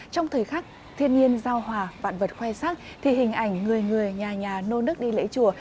trong thời khắc thiên nhiên giao hòa vạn vật khoe sắc thì hình ảnh người người nhà nhà nôn nước đi lễ chùa